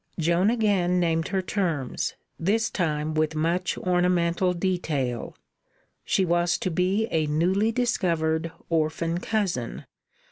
Joan again named her terms, this time with much ornamental detail. She was to be a newly discovered orphan cousin.